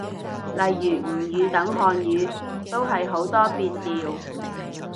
例如吳語等漢語，都係好多變調